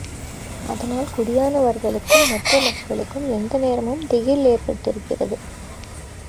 அதனால் குடியானவர்களுக்கும் மற்ற மக்களுக்கும் எந்த நேரமும் திகில் ஏற்பட்டிருக்கிறது.